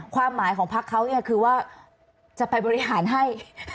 ความหมายของพักเขาเนี่ยคือว่าจะไปบริหารให้